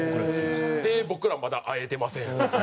で僕らまだ会えてません。